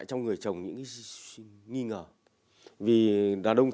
cô hôn bị điên đấy